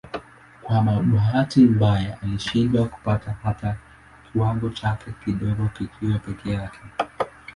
Kwa bahati mbaya alishindwa kupata hata kiwango chake kidogo kikiwa peke yake.